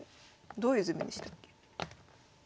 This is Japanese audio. どういう図面でしたっけ？